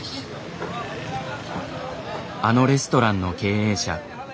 あのレストランの経営者。